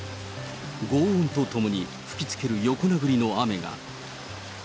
ごう音とともに吹きつける横殴りの雨が。